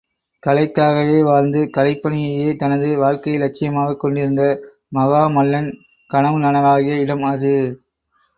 கலைக்காகவே வாழ்ந்து, கலைப் பணியையே தனது வாழ்க்கை லட்சியமாகக் கொண்டிருந்த மகாமல்லன் கனவு நனவாகிய இடம் அது.